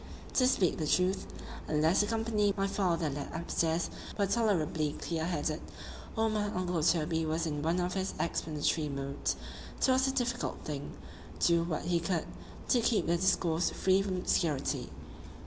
To speak the truth, unless the company my father led up stairs were tolerably clear headed, or my uncle Toby was in one of his explanatory moods, 'twas a difficult thing, do what he could, to keep the discourse free from obscurity.